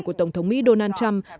của tổng thống mỹ donald trump